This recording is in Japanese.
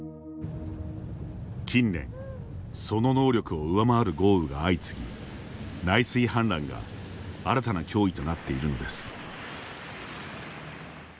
近年、その能力を上回る豪雨が相次ぎ内水氾濫が新たな脅威となっているのです。